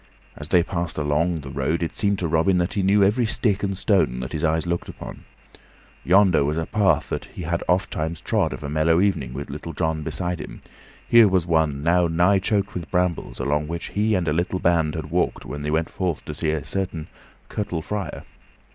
As they passed along the road it seemed to Robin that he knew every stick and stone that his eyes looked upon. Yonder was a path that he had ofttimes trod of a mellow evening, with Little John beside him; here was one, now nigh choked with brambles, along which he and a little band had walked when they went forth to seek a certain curtal friar.